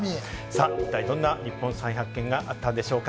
一体どんなニッポン再発見があったんでしょうか？